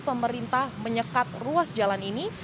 pemerintah menyekat ruas jalan ini